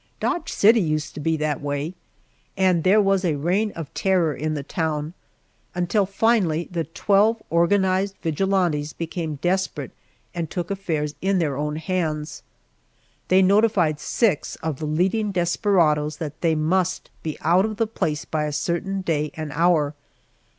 Dodge City used to be that way and there was a reign of terror in the town, until finally the twelve organized vigilantes became desperate and took affairs in their own hands. They notified six of the leading desperadoes that they must be out of the place by a certain day and hour.